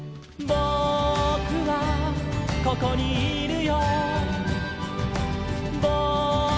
「ぼくはここにいるよ」